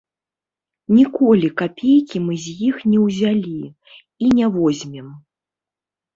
Ніколі капейкі мы з іх не ўзялі і не возьмем.